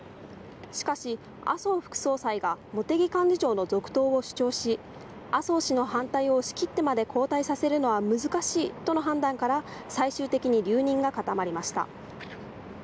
しかし、麻生副総裁が茂木幹事長の続投を主張し、麻生氏の反対を押し切ってまで交代させるのは難しいとの判断から、最終的に留任が固まりました。